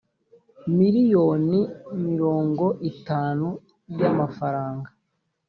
miliyoni mirongo itanu y’amafaranga